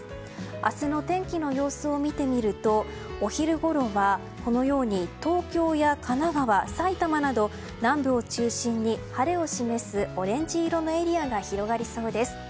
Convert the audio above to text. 明日の天気の様子を見てみるとお昼ごろは、このように東京や神奈川、埼玉など南部を中心に晴れを示すオレンジ色のエリアが広がりそうです。